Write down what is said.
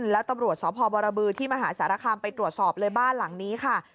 แล้วตำรวจสพบรบือที่มหาสารคามไปตรวจสอบเลยบ้านหลังนี้ค่ะ